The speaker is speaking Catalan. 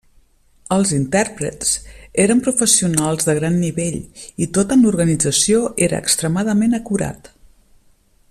Els intèrprets eren professionals de gran nivell i tot en l'organització era extremadament acurat.